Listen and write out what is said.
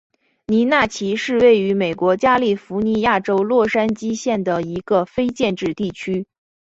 尼纳奇是位于美国加利福尼亚州洛杉矶县的一个非建制地区。